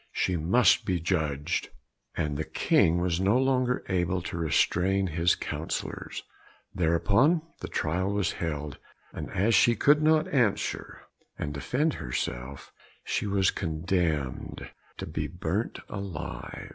She must be judged," and the King was no longer able to restrain his councillors. Thereupon a trial was held, and as she could not answer, and defend herself, she was condemned to be burnt alive.